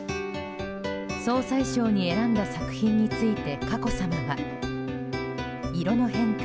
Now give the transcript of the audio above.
総裁賞に選んだ作品について佳子さまは色の変化